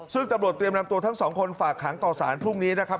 ซึ่งตำรวจเตรียมนำตัวทั้งสองคนฝากขังต่อสารพรุ่งนี้นะครับ